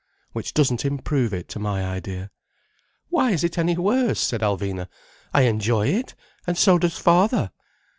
—which doesn't improve it, to my idea." "Why is it any worse?" said Alvina. "I enjoy it—and so does father."